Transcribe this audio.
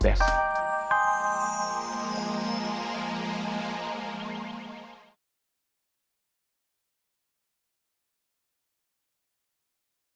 terima kasih udah nonton